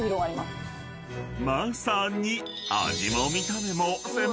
［まさに］